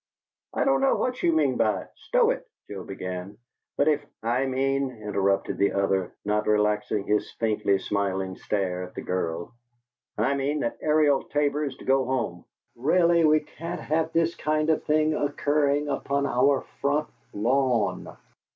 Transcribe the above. "I don't know what you mean by 'stow it,'" Joe began, "but if " "I mean," interrupted the other, not relaxing his faintly smiling stare at the girl "I mean that Ariel Tabor is to go home. Really, we can't have this kind of thing occurring upon our front lawn!"